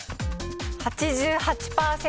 ８８％。